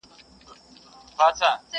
لاندي مځکه هره لوېشت ورته سقر دی.!